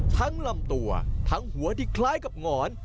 ลำตัวทั้งหัวที่คล้ายกับหงอน